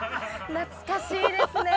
懐かしいですね！